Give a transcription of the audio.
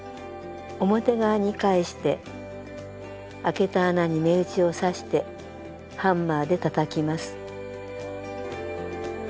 表側に返してあけた穴に目打ちを刺してハンマーでたたきます。